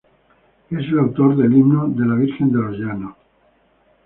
Es el autor del himno de la Virgen de Los Llanos.